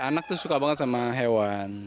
anak tuh suka banget sama hewan